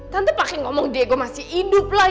tante ngomong diego masih hidup lah